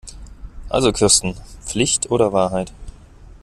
Also Kirsten, Pflicht oder Wahrheit?